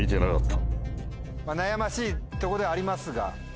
悩ましいとこではありますが。